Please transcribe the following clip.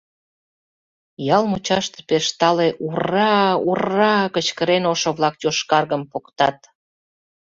Ял мучаште пеш талын «Ур-ра, ур-ра!» — кычкырен, ошо-влак йошкаргым поктат.